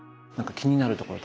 気になるところ？